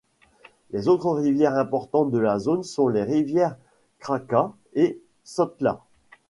Les autres rivières importantes de la zone sont les rivières Krka et Sotla.